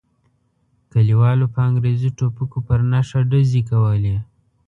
کلیوالو په انګریزي ټوپکو پر نښه ډزې کولې.